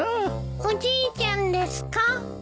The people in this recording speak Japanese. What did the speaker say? おじいちゃんですか？